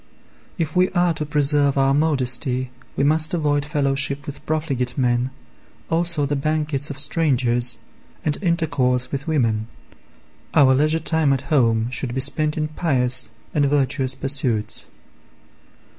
If we are to preserve our modesty we must avoid fellowship with profligate men, also the banquets of strangers, and intercourse with women; our leisure time at home should be spent in pious and virtuous pursuits.